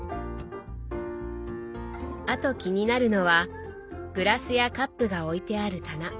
あと気になるのはグラスやカップが置いてある棚。